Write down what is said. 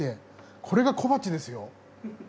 これが小鉢ですよ。